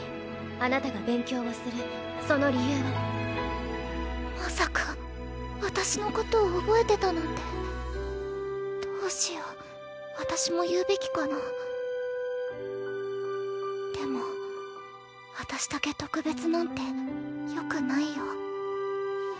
あなたが勉強をするその理由をまさか私のことを覚えてたなんてどうしよう私も言うべきかなでも私だけ特別なんてよくないよ